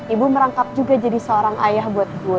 ibu merangkap juga jadi seorang ayah buat gue